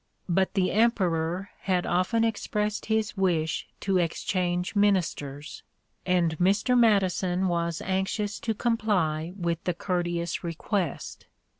But the Emperor had often expressed his wish to exchange ministers, and Mr. Madison was anxious to comply with the courteous request.